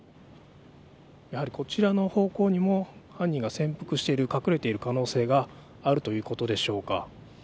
やはりこちらの方向にも犯人が潜伏している可能性があるということでしょうか。